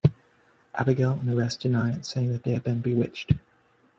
Abigail and the rest deny it, saying that they have been bewitched.